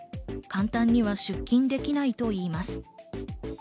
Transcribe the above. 簡単には出勤できないといいます。